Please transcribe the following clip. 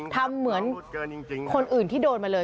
ทำเหมือนคนอื่นที่โดนมาเลย